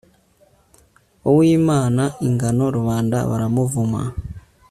uwimana ingano, rubanda baramuvuma